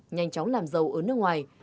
nhanh chóng làm giàu ở nước ngoài